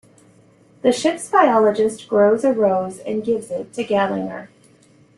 The ship's biologist grows a rose and gives it to Gallinger.